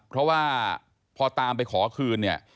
เพราะว่าพอตามไปขอคืนเนี่ย